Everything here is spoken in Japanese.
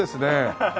ハハハハ。